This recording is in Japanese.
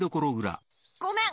ごめん！